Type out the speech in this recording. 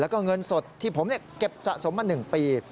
แล้วก็เงินสดที่ผมเก็บสะสมมา๑ปี